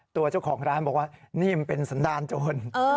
ตัวเจ้าของร้านบอกว่านี่มันเป็นสันดาลโจร